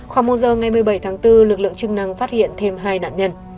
khoảng một giờ ngày một mươi bảy tháng bốn lực lượng chức năng phát hiện thêm hai nạn nhân